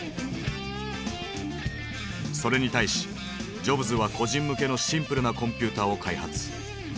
それに対しジョブズは個人向けのシンプルなコンピューターを開発。